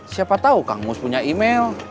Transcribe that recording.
siapa tahu kang mus punya email